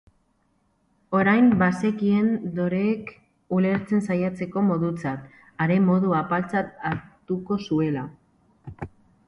Orain bazekien Doreek ulertzen saiatzeko modutzat, are modu apaltzat hartuko zuela.